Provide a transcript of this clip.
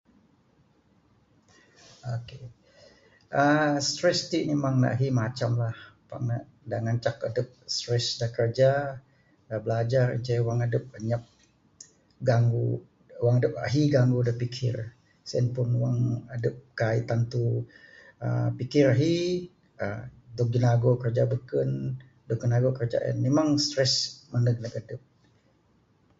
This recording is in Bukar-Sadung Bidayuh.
Ok.. aaa stress ti memang ne ahi macamlah pak nek dengan ne ngancak adep stress dak kerja belajar ceh wang adep inyap ganggu ahi ganggu dak abih pikir sien pun wang adep kaik tentu aaa pikir ahi aaa dok ginago kerja beken dak ginago kerja en memang stress mendek ndek adep.